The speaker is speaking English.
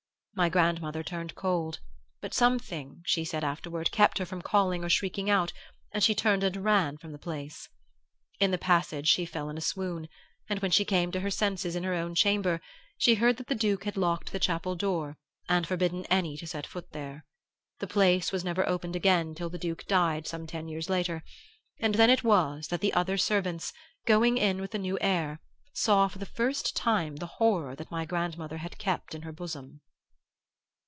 My grandmother turned cold, but something, she said afterward, kept her from calling or shrieking out, and she turned and ran from the place. In the passage she fell in a swoon; and when she came to her senses, in her own chamber, she heard that the Duke had locked the chapel door and forbidden any to set foot there.... The place was never opened again till the Duke died, some ten years later; and then it was that the other servants, going in with the new heir, saw for the first time the horror that my grandmother had kept in her bosom...."